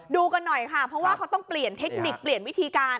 ดูกันหน่อยค่ะเพราะว่าเขาต้องเปลี่ยนเทคนิคเปลี่ยนวิธีการ